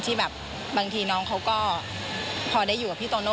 ที่แบบบางทีน้องเขาก็พอได้อยู่กับพี่โตโน่